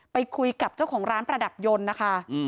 ไปคุยกับเจ้าของร้านประดับยนต์นะคะ